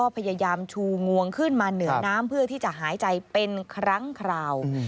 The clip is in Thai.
เพื่อที่จะหายใจเป็นครั้งคราว